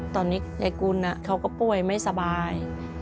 ตอนนี้ยายกุลเขาก็ป่วยไม่สบาย